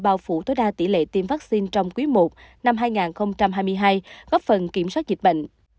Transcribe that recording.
bao phủ tối đa tỷ lệ tiêm vaccine trong quý i năm hai nghìn hai mươi hai góp phần kiểm soát dịch bệnh